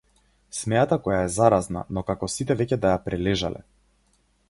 Смеата која е заразна но како сите веќе да ја прележале.